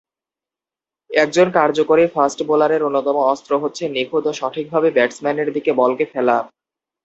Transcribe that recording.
একজন কার্যকরী ফাস্ট বোলারের অন্যতম অস্ত্র হচ্ছে নিখুঁত ও সঠিকভাবে ব্যাটসম্যানের দিকে বলকে ফেলা।